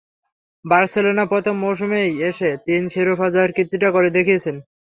বার্সেলোনায় প্রথম মৌসুমেই এসে তিন শিরোপা জয়ের কীর্তিটা করে দেখিয়েছেন পূর্বসূরি।